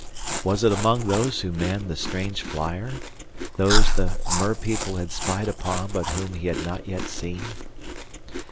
Was it among those who manned the strange flyer, those the merpeople had spied upon but whom he had not yet seen?